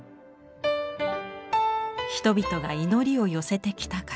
人々が祈りを寄せてきた形。